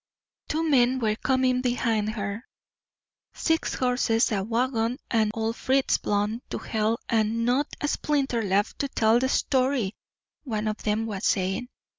Two men were coming behind her. "Six horses, a wagon an' old Fritz blown to hell an' not a splinter left to tell the story," one of them was saying.